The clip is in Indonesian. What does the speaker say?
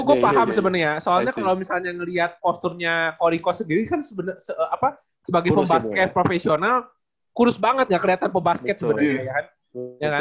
gue paham sebenarnya soalnya kalau misalnya ngeliat posturnya ko rico sendiri kan sebenarnya apa sebagai pembaskep profesional kurus banget nggak kelihatan pembaskep sebenarnya ya kan